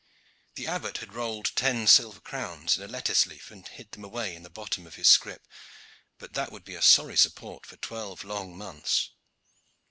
The Abbot had rolled ten silver crowns in a lettuce leaf and hid them away in the bottom of his scrip, but that would be a sorry support for twelve long months.